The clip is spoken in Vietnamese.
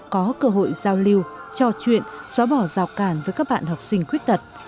có cơ hội giao lưu trò chuyện xóa bỏ rào cản với các bạn học sinh khuyết tật